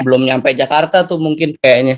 belum nyampe jakarta tuh mungkin kayaknya